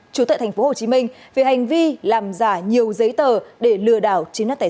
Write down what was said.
chủ tệ tp hcm về hành vi làm giả nhiều giấy tờ để lừa đảo